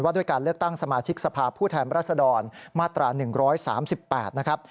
ด้วยการเลือกตั้งสมาชิกสภาพผู้แทนรัศดรมาตรา๑๓๘นะครับ